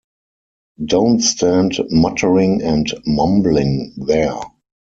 Don’t stand muttering and mumbling there.